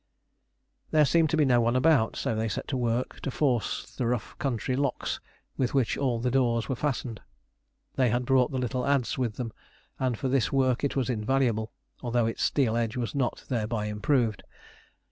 There seemed to be no one about, so they set to work to force the rough country locks with which all the doors were fastened. They had brought the little adze with them, and for this work it was invaluable, although its steel edge was not thereby improved.